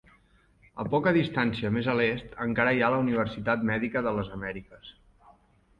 A poca distància més a l'est encara hi ha la Universitat Mèdica de les Amèriques.